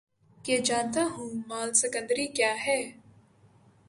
کہ جانتا ہوں مآل سکندری کیا ہے